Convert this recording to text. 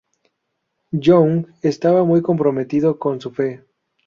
Young estaba muy comprometido con su fe.